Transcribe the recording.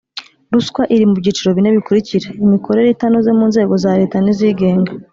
ruswa iri mu byiciro bine bikurikira imikorere itanoze mu nzego za Leta n izigenga